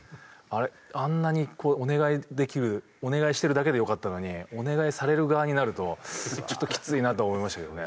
あんなにお願いできるお願いしてるだけでよかったのにお願いされる側になるとちょっときついなとは思いましたけどね。